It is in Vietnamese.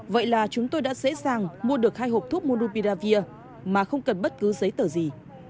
vậy là chúng tôi đã dễ dàng mua được hai hộp thuốc mupiravir mà không cần bất cứ giấy tờ gì